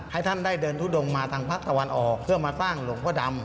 ให้ท่านได้เดินทุดงมาทางภาคตะวันออกเพื่อมาสร้างหลวงพ่อดำ